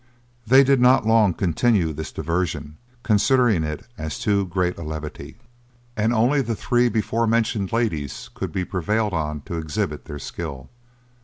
They did not long continue this diversion, considering it as too great a levity, and only the three beforementioned ladies could be prevailed on to exhibit their skill.